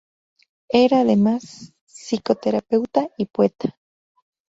Era además psicoterapeuta y poeta.